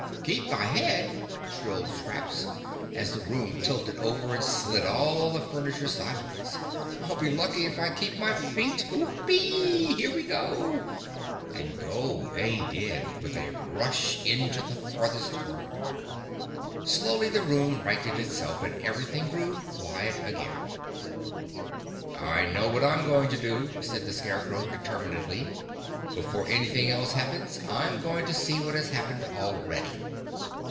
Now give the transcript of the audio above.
"Keep my head!" shrilled Scraps, as the room tilted over and slid all the furniture sideways. "I'll be lucky if I keep my feet. Whoopee! Here we go!" And go they did with a rush into the farthest corner. Slowly the room righted itself and everything grew quiet again. [Illustration: (unlabelled)] "I know what I'm going to do," said the Scarecrow determinedly. "Before anything else happens I'm going to see what has happened already."